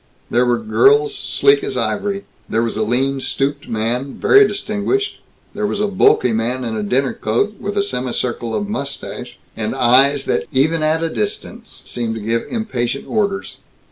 There were girls sleek as ivory. There was a lean stooped man, very distinguished. There was a bulky man in a dinner coat, with a semi circle of mustache, and eyes that even at a distance seemed to give impatient orders.